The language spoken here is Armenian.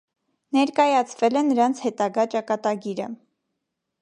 Ներկայացվել է նրանց հետագա ճակատագիրը։